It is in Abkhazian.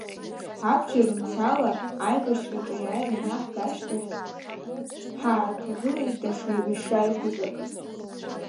Абџьар мцала аибашьраҿы аиааира анаҳга ашьҭахь, ҳааҭагылеит даҽа еибашьра еиқәаҵәак…